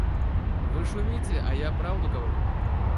Вы шутите, а я правду говорю.